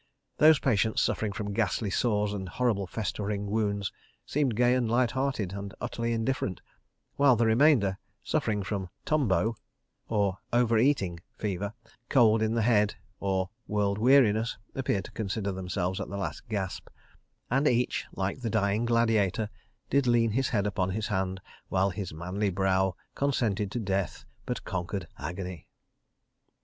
Those patients suffering from ghastly sores and horrible festering wounds seemed gay and lighthearted and utterly indifferent, while the remainder, suffering from tumbo, fever, cold in the head, or world weariness, appeared to consider themselves at the last gasp, and each, like the Dying Gladiator, did lean his head upon his hand while his manly brow consented to Death, but conquered agony.